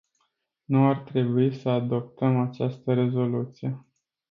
Nu ar trebui să adoptăm această rezoluție.